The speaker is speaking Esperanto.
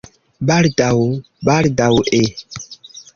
Baldaŭ? Baldaŭe?